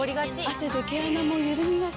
汗で毛穴もゆるみがち。